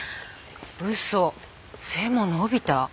うそ背も伸びた？